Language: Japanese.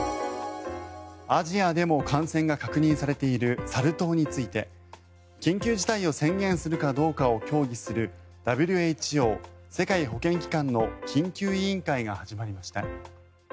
アジアでも感染が確認されているサル痘について緊急事態を宣言するかどうかを協議するＷＨＯ・世界保健機関の緊急委員会が始まりました。